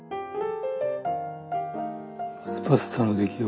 パスタの出来を。